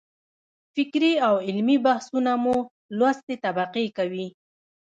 فکري او علمي بحثونه مو لوستې طبقې کوي.